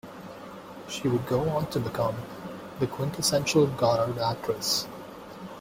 She would go on to become the quintessential Godard actress.